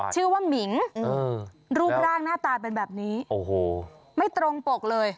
ชื่อว่ามิงรูปร่างหน้าตาเป็นแบบนี้โอ้โหไม่ตรงปกเลย